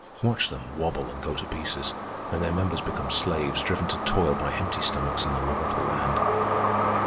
Watch them wobble and go to pieces, and their members become slaves driven to toil by empty stomachs and the law of the land.